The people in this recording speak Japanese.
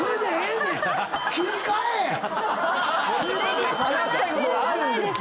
・・もーう！・・話したいことがあるんです。